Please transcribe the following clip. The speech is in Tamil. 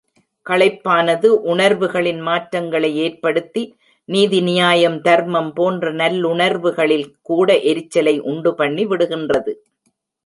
களைப்பானது உணர்வுகளில் மாற்றங்களை ஏற்படுத்தி நீதி நியாயம் தர்மம் போன்ற நல்லுணர்வுகளில் கூட எரிச்சலை உண்டுபண்ணி விடுகின்றது.